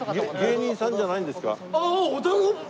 芸人さんじゃないんですか？